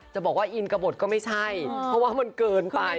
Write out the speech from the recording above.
จะบอกว่าอินกระบดก็ไม่ใช่เพราะว่ามันเกินไป